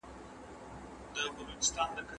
د هیواد اقتصاد د پلانونو په واسطه رهبري کیږي.